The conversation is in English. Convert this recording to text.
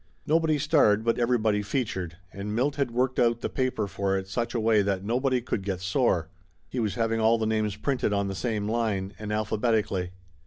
Nobody starred, but everybody featured, and Milt had worked out the paper for it such a way that nobody could get sore. He was having all the names printed on the same line, and alphabeti cally.